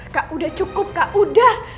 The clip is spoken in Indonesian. kak udah cukup kah udah